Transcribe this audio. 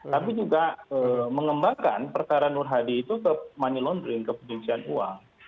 tapi juga mengembangkan perkara nur hadi itu ke money laundering ke pencucian uang